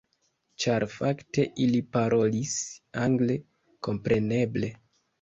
Ĉar fakte ili parolis angle, kompreneble.